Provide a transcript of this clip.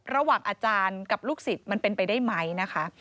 ระหว่างอาจารย์กับลูกศิษย์มันเป็นไปได้ไหมนะคะ